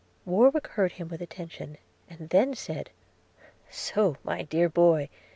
Warwick heard him with attention, and then said, 'So, my dear boy!